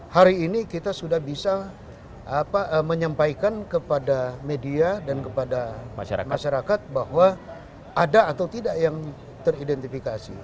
hari ini kita sudah bisa menyampaikan kepada media dan kepada masyarakat bahwa ada atau tidak yang teridentifikasi